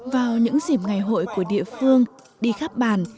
vào những dịp ngày hội của địa phương đi khắp bản